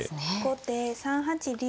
後手３八竜。